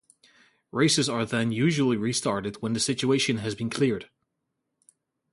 Races are then usually restarted when the situation has been cleared.